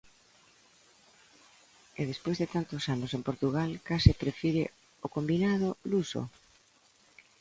E despois de tantos anos en Portugal, case prefire o combinado luso?